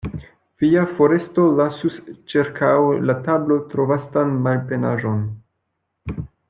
Via foresto lasus ĉirkaŭ la tablo tro vastan malplenaĵon.